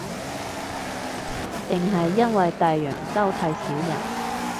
定係因為大洋洲太少人